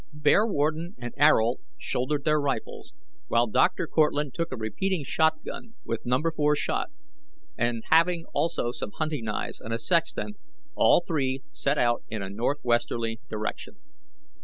Bearwarden and Ayrault shouldered their rifles, while Dr. Cortlandt took a repeating shot gun with No. 4 shot, and, having also some hunting knives and a sextant, all three set out in a northwesterly direction.